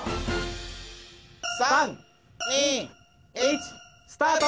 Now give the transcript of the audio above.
３２１スタート！